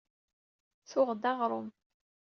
Tuɣ-d aɣṛum.